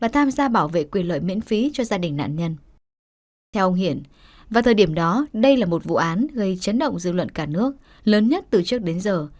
theo ông hiển và thời điểm đó đây là một vụ án gây chấn động dư luận cả nước lớn nhất từ trước đến giờ